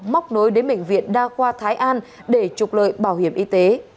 móc nối đến bệnh viện đa khoa thái an để trục lợi bảo hiểm y tế